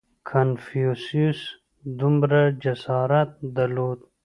• کنفوسیوس دومره جسارت درلود.